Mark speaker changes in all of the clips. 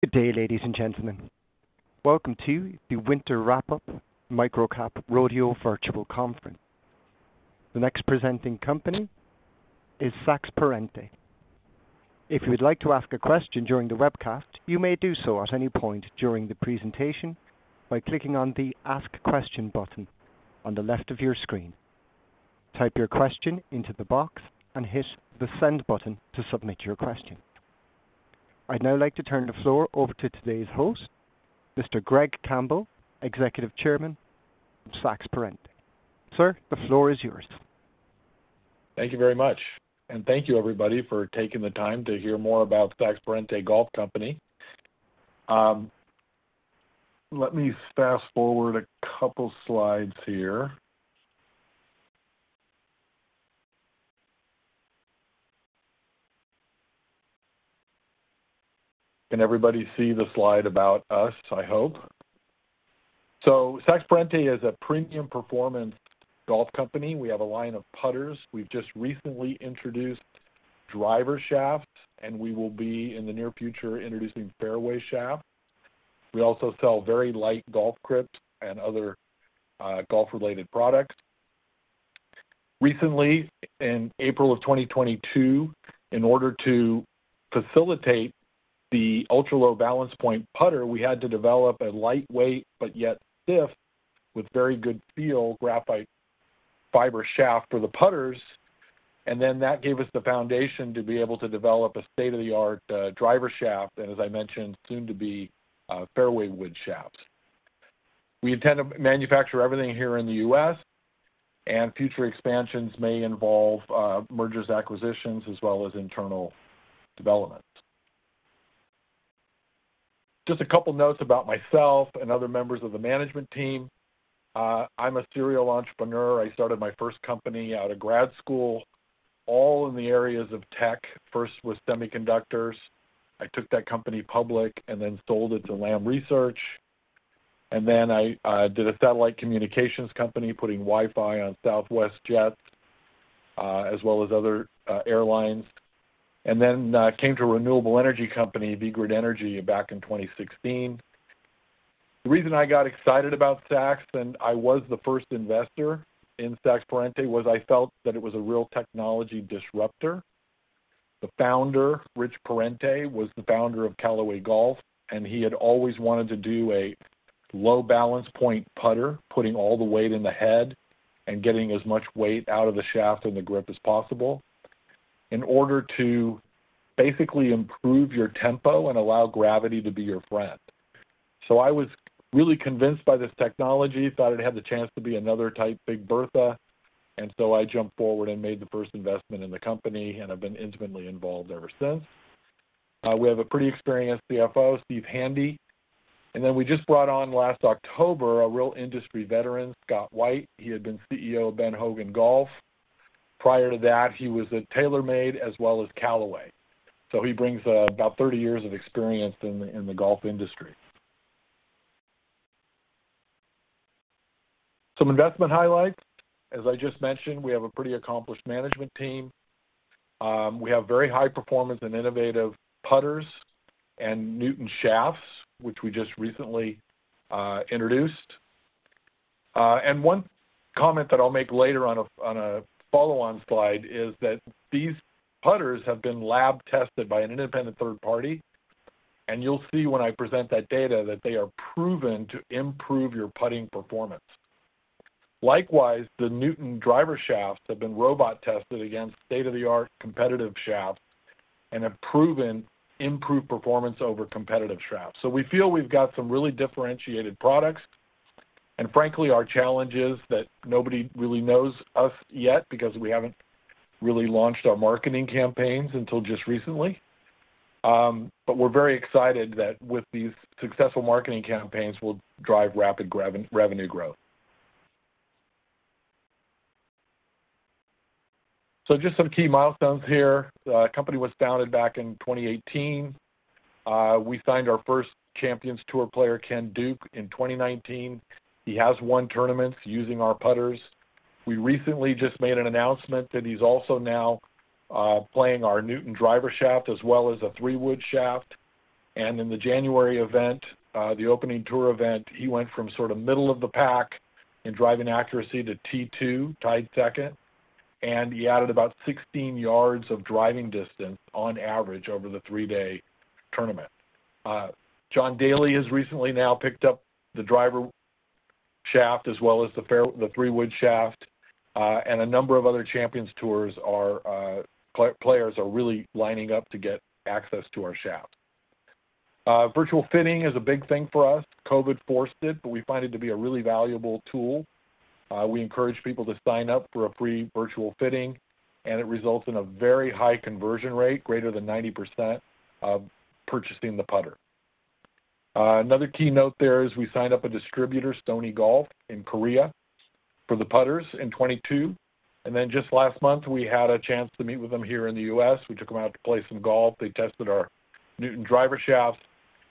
Speaker 1: Good day, ladies and gentlemen. Welcome to the Winter Wrap-Up Microcap Rodeo Virtual Conference. The next presenting company is Sacks Parente. If you would like to ask a question during the webcast, you may do so at any point during the presentation by clicking on the Ask Question button on the left of your screen. Type your question into the box and hit the Send button to submit your question. I'd now like to turn the floor over to today's host, Mr. Greg Campbell, Executive Chairman of Sacks Parente. Sir, the floor is yours.
Speaker 2: Thank you very much, and thank you everybody for taking the time to hear more about Sacks Parente Golf Company. Let me fast forward a couple slides here. Can everybody see the slide About Us? I hope. So, Sacks Parente is a premium performance golf company. We have a line of putters. We've just recently introduced driver shafts, and we will be, in the near future, introducing fairway shafts. We also sell very light golf grips and other, golf-related products. Recently, in April of 2022, in order to facilitate the ultra-low balance point putter, we had to develop a lightweight but yet stiff, with very good feel, graphite fiber shaft for the putters, and then that gave us the foundation to be able to develop a state-of-the-art, driver shaft, and as I mentioned, soon to be, fairway wood shafts. We intend to manufacture everything here in the U.S., and future expansions may involve mergers, acquisitions, as well as internal developments. Just a couple notes about myself and other members of the management team. I'm a serial entrepreneur. I started my first company out of grad school, all in the areas of tech. First was semiconductors. I took that company public and then sold it to Lam Research. And then I did a satellite communications company, putting Wi-Fi on Southwest Jets, as well as other airlines, and then came to a renewable energy company, VGrid Energy, back in 2016. The reason I got excited about Sacks, and I was the first investor in Sacks Parente, was I felt that it was a real technology disruptor. The founder, Richard Parente, was the founder of Callaway Golf, and he had always wanted to do a low balance point putter, putting all the weight in the head and getting as much weight out of the shaft and the grip as possible, in order to basically improve your tempo and allow gravity to be your friend. So I was really convinced by this technology, thought it had the chance to be another type Big Bertha, and so I jumped forward and made the first investment in the company, and I've been intimately involved ever since. We have a pretty experienced CFO, Steve Handy, and then we just brought on, last October, a real industry veteran, Scott White. He had been CEO of Ben Hogan Golf. Prior to that, he was at TaylorMade, as well as Callaway. So he brings about 30 years of experience in the golf industry. Some investment highlights. As I just mentioned, we have a pretty accomplished management team. We have very high performance and innovative putters and Newton shafts, which we just recently introduced. And one comment that I'll make later on a follow-on slide is that these putters have been lab tested by an independent third party, and you'll see when I present that data, that they are proven to improve your putting performance. Likewise, the Newton driver shafts have been robot tested against state-of-the-art competitive shafts and have proven improved performance over competitive shafts. So we feel we've got some really differentiated products, and frankly, our challenge is that nobody really knows us yet because we haven't really launched our marketing campaigns until just recently. But we're very excited that with these successful marketing campaigns, we'll drive rapid revenue growth. So just some key milestones here. The company was founded back in 2018. We signed our first Champions Tour player, Ken Duke, in 2019. He has won tournaments using our putters. We recently just made an announcement that he's also now playing our Newton driver shaft, as well as a three-wood shaft. And in the January event, the opening tour event, he went from sort of middle of the pack in driving accuracy to T2, tied second, and he added about 16 yards of driving distance on average over the three-day tournament. John Daly has recently now picked up the driver shaft as well as the fairway, the three-wood shaft, and a number of other Champions Tour players are really lining up to get access to our shaft. Virtual fitting is a big thing for us. COVID forced it, but we find it to be a really valuable tool. We encourage people to sign up for a free virtual fitting, and it results in a very high conversion rate, greater than 90%, of purchasing the putter. Another key note there is we signed up a distributor, Seongok Golf, in Korea for the putters in 2022, and then just last month, we had a chance to meet with them here in the U.S.. We took them out to play some golf. They tested our Newton driver shafts,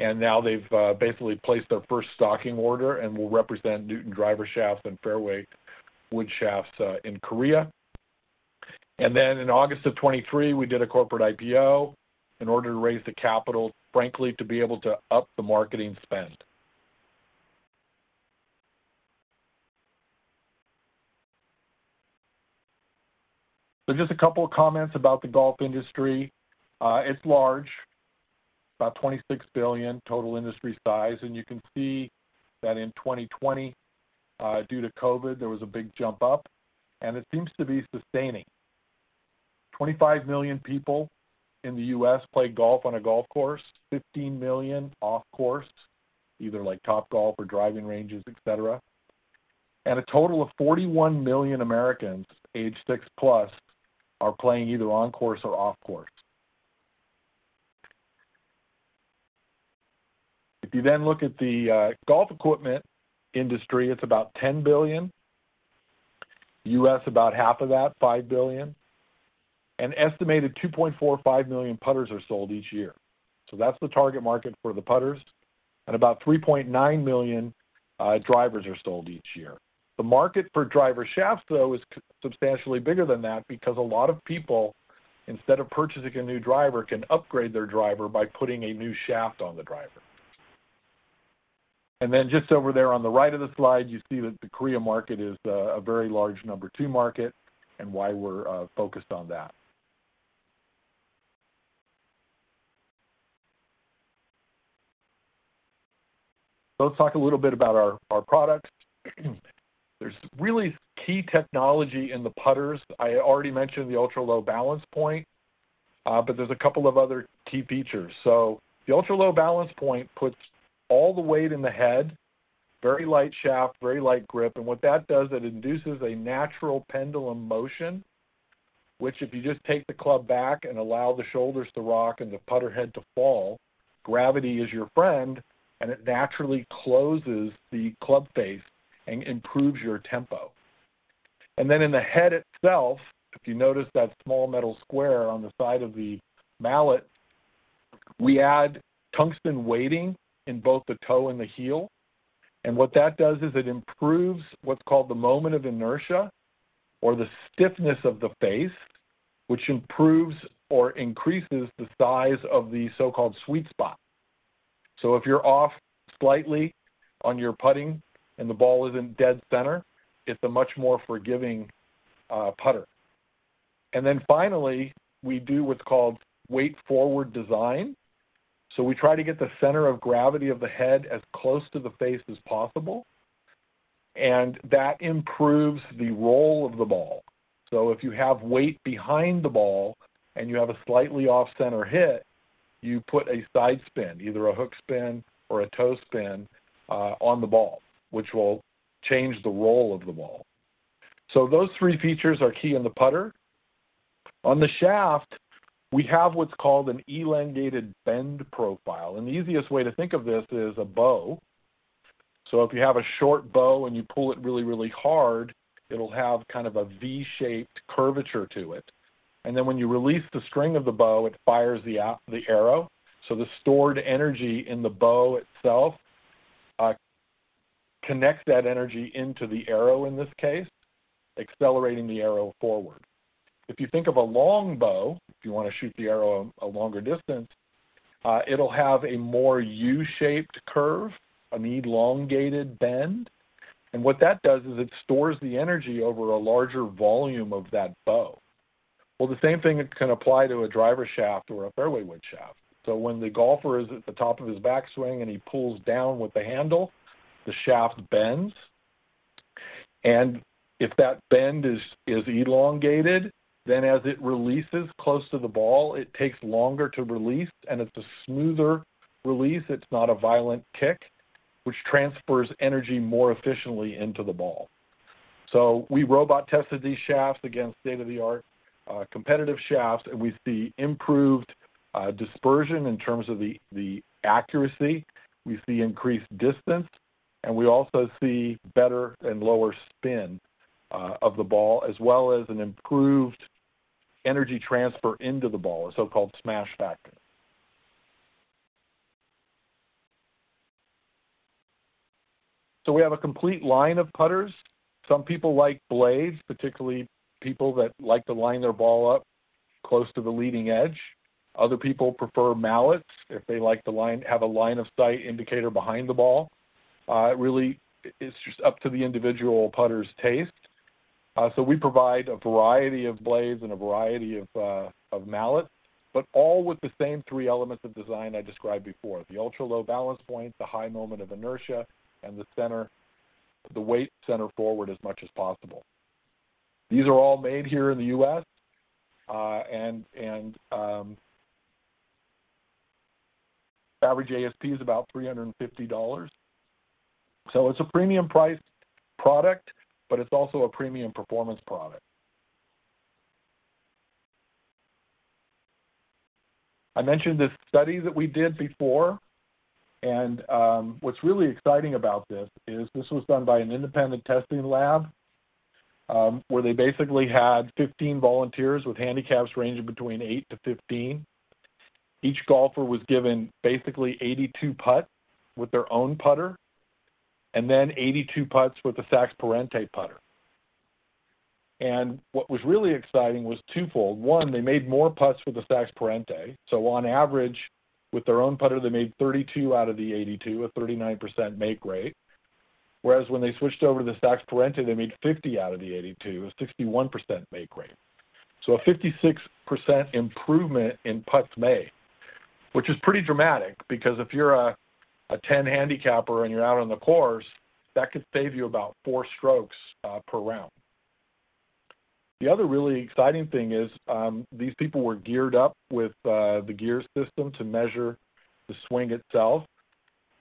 Speaker 2: and now they've basically placed their first stocking order and will represent Newton driver shafts and fairway wood shafts in Korea. And then in August 2023, we did a corporate IPO in order to raise the capital, frankly, to be able to up the marketing spend. So just a couple of comments about the golf industry. It's large, about $26 billion total industry size, and you can see that in 2020, due to COVID, there was a big jump up, and it seems to be sustaining. 25 million people in the U.S. play golf on a golf course, 15 million off course, either like Topgolf or driving ranges, et cetera. And a total of 41 million Americans, age 6+, are playing either on course or off course. If you then look at the golf equipment industry, it's about $10 billion U.S., about half of that, $5 billion. An estimated 2.45 million putters are sold each year. So that's the target market for the putters, and about 3.9 million drivers are sold each year. The market for driver shafts, though, is substantially bigger than that because a lot of people, instead of purchasing a new driver, can upgrade their driver by putting a new shaft on the driver. And then just over there on the right of the slide, you see that the Korea market is a very large number two market and why we're focused on that. So let's talk a little bit about our products. There's really key technology in the putters. I already mentioned the Ultra-Low Balance Point, but there's a couple of other key features. So the Ultra-Low Balance Point puts all the weight in the head, very light shaft, very light grip, and what that does, it induces a natural pendulum motion, which if you just take the club back and allow the shoulders to rock and the putter head to fall, gravity is your friend, and it naturally closes the club face and improves your tempo. And then in the head itself, if you notice that small metal square on the side of the mallet, we add tungsten weighting in both the toe and the heel. And what that does is it improves what's called the moment of inertia or the stiffness of the face, which improves or increases the size of the so-called sweet spot. If you're off slightly on your putting and the ball is in dead center, it's a much more forgiving putter. Then finally, we do what's called Weight Forward Design. We try to get the center of gravity of the head as close to the face as possible, and that improves the roll of the ball. If you have weight behind the ball and you have a slightly off-center hit, you put a side spin, either a hook spin or a toe spin, on the ball, which will change the roll of the ball. Those three features are key in the putter. On the shaft, we have what's called an Elongated Bend Profile, and the easiest way to think of this is a bow. So if you have a short bow and you pull it really, really hard, it'll have kind of a V-shaped curvature to it. And then when you release the string of the bow, it fires the arrow. So the stored energy in the bow itself connects that energy into the arrow, in this case, accelerating the arrow forward. If you think of a long bow, if you want to shoot the arrow a longer distance, it'll have a more U-shaped curve, an elongated bend. And what that does is it stores the energy over a larger volume of that bow. Well, the same thing can apply to a driver shaft or a fairway wood shaft. So when the golfer is at the top of his backswing and he pulls down with the handle, the shaft bends, and if that bend is elongated, then as it releases close to the ball, it takes longer to release, and it's a smoother release. It's not a violent kick, which transfers energy more efficiently into the ball. So we robot-tested these shafts against state-of-the-art, competitive shafts, and we see improved dispersion in terms of the accuracy, we see increased distance, and we also see better and lower spin of the ball, as well as an improved energy transfer into the ball, a so-called smash factor. So we have a complete line of putters. Some people like blades, particularly people that like to line their ball up close to the leading edge. Other people prefer mallets if they like to line... have a line of sight indicator behind the ball. It really, it's just up to the individual putter's taste. So we provide a variety of blades and a variety of mallets, but all with the same three elements of design I described before, the ultra-low balance point, the high moment of inertia, and the center, the weight center forward as much as possible. These are all made here in the U.S., and average ASP is about $350. So it's a premium priced product, but it's also a premium performance product. I mentioned this study that we did before, and what's really exciting about this is this was done by an independent testing lab, where they basically had 15 volunteers with handicaps ranging between eight-15. Each golfer was given basically 82 putts with their own putter. And then 82 putts with the Sacks Parente putter. And what was really exciting was twofold. One, they made more putts with the Sacks Parente. So on average, with their own putter, they made 32 out of the 82, a 39% make rate. Whereas when they switched over to the Sacks Parente, they made 50 out of the 82, a 61% make rate. So a 56% improvement in putts made, which is pretty dramatic, because if you're a 10-handicapper and you're out on the course, that could save you about four strokes per round. The other really exciting thing is these people were geared up with the GEARS system to measure the swing itself.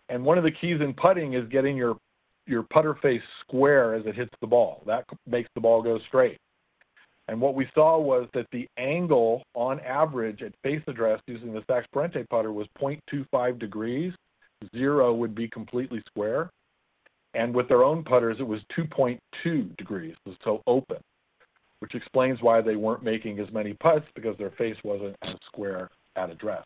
Speaker 2: And one of the keys in putting is getting your, your putter face square as it hits the ball. That makes the ball go straight. And what we saw was that the angle on average at face address, using the Sacks Parente putter, was 0.25°. Zero would be completely square, and with their own putters, it was 2.2°, so open, which explains why they weren't making as many putts, because their face wasn't as square at address.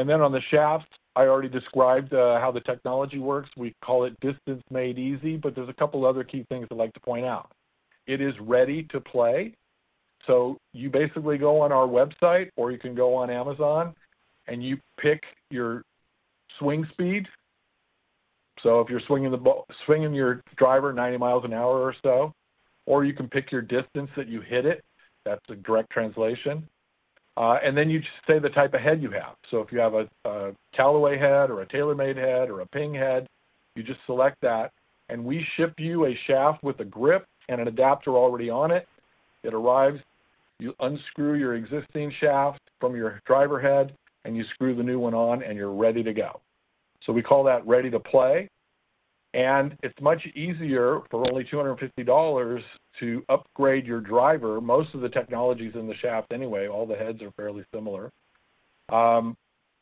Speaker 2: And then on the shaft, I already described how the technology works. We call it Distance Made Easy, but there's a couple other key things I'd like to point out. It is ready to play, so you basically go on our website, or you can go on Amazon, and you pick your swing speed. So if you're swinging the ball, swinging your driver, 90 mph or so, or you can pick your distance that you hit it, that's a direct translation, and then you just say the type of head you have. So if you have a Callaway head or a TaylorMade head or a Ping head, you just select that, and we ship you a shaft with a grip and an adapter already on it. It arrives, you unscrew your existing shaft from your driver head, and you screw the new one on, and you're ready to go. So we call that ready to play, and it's much easier for only $250 to upgrade your driver. Most of the technology's in the shaft anyway, all the heads are fairly similar,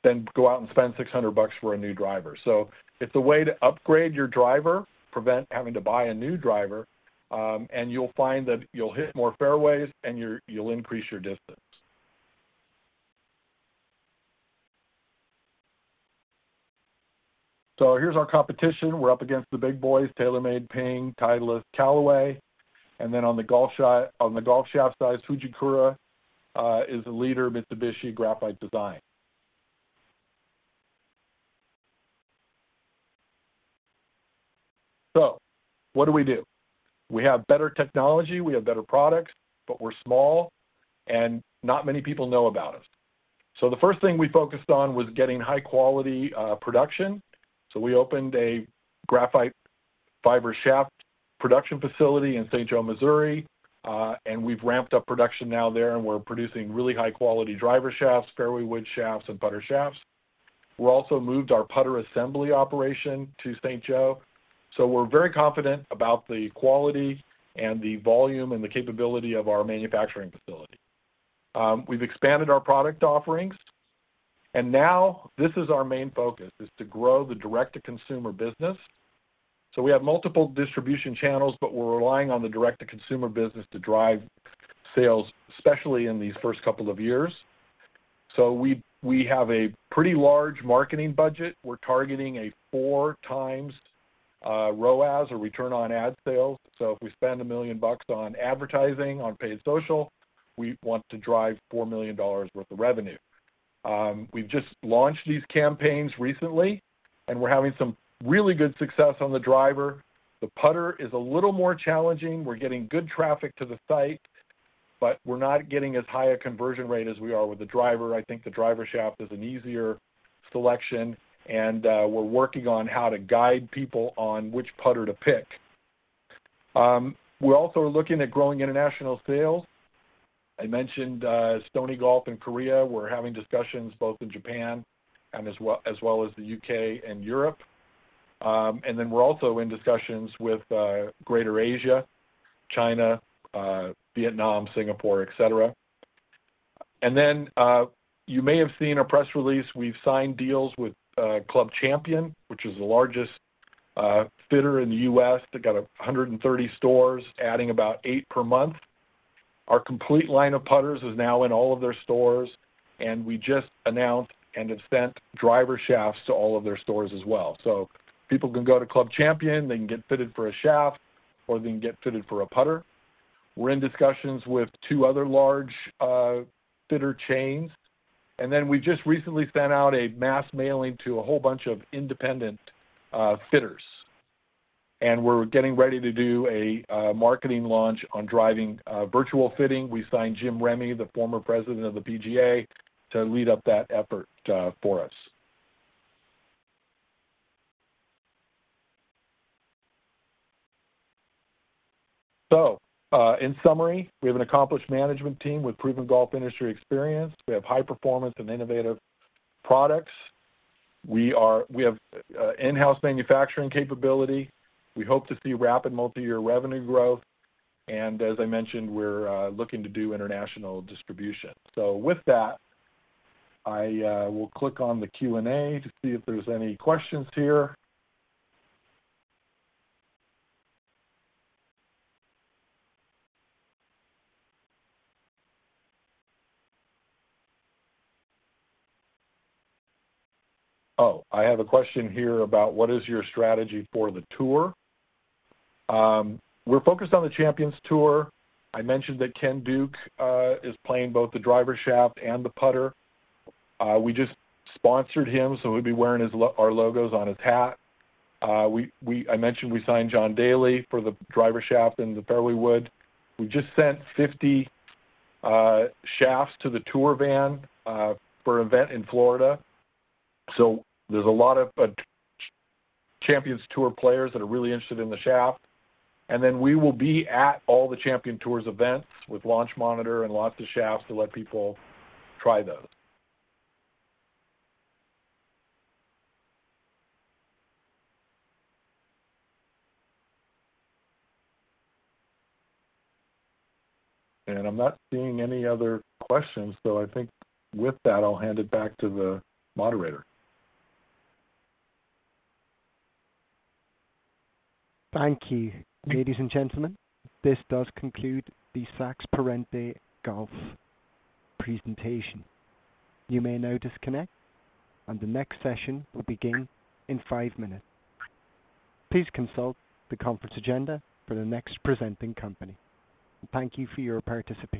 Speaker 2: then go out and spend $600 for a new driver. So it's a way to upgrade your driver, prevent having to buy a new driver, and you'll find that you'll hit more fairways and you'll increase your distance. So here's our competition. We're up against the big boys, TaylorMade, Ping, Titleist, Callaway, and then on the golf shaft, on the golf shaft side, Fujikura is the leader, Mitsubishi, Graphite Design. So what do we do? We have better technology, we have better products, but we're small and not many people know about us. So the first thing we focused on was getting high quality production. So we opened a graphite fiber shaft production facility in St. Joseph, Missouri, and we've ramped up production now there, and we're producing really high-quality driver shafts, fairway wood shafts, and putter shafts. We're also moved our putter assembly operation to St. Joe, so we're very confident about the quality and the volume and the capability of our manufacturing facility. We've expanded our product offerings, and now this is our main focus, is to grow the direct-to-consumer business. So we have a pretty large marketing budget. We're targeting a 4x ROAS or return on ad sales. So if we spend $1 million on advertising on paid social, we want to drive $4 million worth of revenue. We've just launched these campaigns recently, and we're having some really good success on the driver. The putter is a little more challenging. We're getting good traffic to the site, but we're not getting as high a conversion rate as we are with the driver. I think the driver shaft is an easier selection, and we're working on how to guide people on which putter to pick. We're also looking at growing international sales. I mentioned Stony Golf in Korea. We're having discussions both in Japan and as well, as well as the U.K. and Europe. And then we're also in discussions with Greater Asia, China, Vietnam, Singapore, et cetera. And then you may have seen a press release. We've signed deals with Club Champion, which is the largest fitter in the U.S. They've got 130 stores, adding about eight per month. Our complete line of putters is now in all of their stores, and we just announced and have sent driver shafts to all of their stores as well. So people can go to Club Champion. They can get fitted for a shaft, or they can get fitted for a putter. We're in discussions with two other large fitter chains, and then we just recently sent out a mass mailing to a whole bunch of independent fitters, and we're getting ready to do a marketing launch on driving virtual fitting. We signed Jim Remy, the former president of the PGA, to lead up that effort for us. So, in summary, we have an accomplished management team with proven golf industry experience. We have high performance and innovative products. We have in-house manufacturing capability. We hope to see rapid multi-year revenue growth, and as I mentioned, we're looking to do international distribution. So with that, I will click on the Q&A to see if there's any questions here.
Speaker 3: Oh, I have a question here about: What is your strategy for the tour?
Speaker 2: We're focused on the Champions Tour. I mentioned that Ken Duke is playing both the driver shaft and the putter. We just sponsored him, so he'll be wearing our logos on his hat. I mentioned we signed John Daly for the driver shaft and the fairway wood. We just sent 50 shafts to the tour van for an event in Florida. So there's a lot of Champions Tour players that are really interested in the shaft. And then we will be at all the Champions Tour events with launch monitor and lots of shafts to let people try those. And I'm not seeing any other questions, so I think with that, I'll hand it back to the moderator.
Speaker 1: Thank you. Ladies and gentlemen, this does conclude the Sacks Parente Golf presentation. You may now disconnect, and the next session will begin in five minutes. Please consult the conference agenda for the next presenting company. Thank you for your participation.